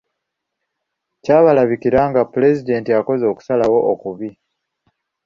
Kyabalabikira nga Pulezidenti akoze okusalawo okubi.